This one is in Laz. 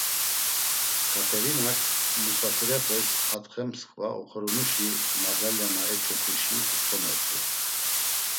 Katerinak musafirepes atxe msǩva oxoronuşi madalya na eç̌opuşi utzomert̆u.